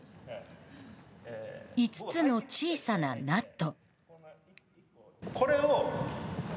５つの小さなナット。